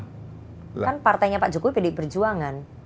kan partainya pak jokowi pdi perjuangan